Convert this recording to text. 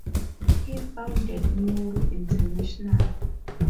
He founded Nuru International.